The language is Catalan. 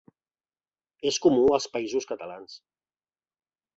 És comú als Països Catalans.